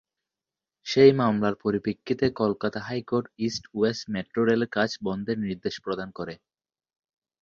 সেই মামলার পরিপ্রেক্ষিতে কলকাতা হাইকোর্ট ইস্ট-ওয়েস্ট মেট্রো রেলের কাজ বন্ধের নির্দেশ প্রদান করে।